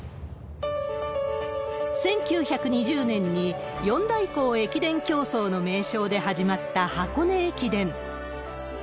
１９２０年に、四大校駅伝競走の名称で始まった箱根駅伝。